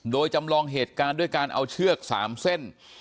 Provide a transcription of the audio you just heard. โดยจำลองเหตุการณ์ด้วยการเอาเชือก๓เส้น